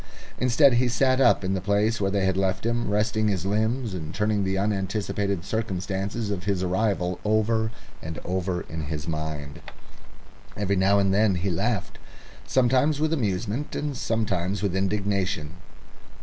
Instead, he sat up in the place where they had left him, resting his limbs and turning the unanticipated circumstances of his arrival over and over in his mind. Every now and then he laughed, sometimes with amusement, and sometimes with indignation.